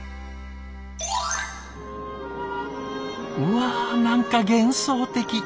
うわ何か幻想的！